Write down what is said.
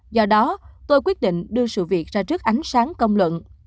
do đó tôi quyết định đưa sự việc ra trước ánh sáng công luận